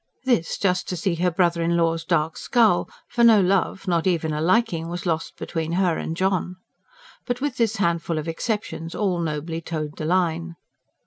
this, just to see her brother in law's dark scowl; for no love not even a liking was lost between her and John. But with this handful of exceptions all nobly toed the line.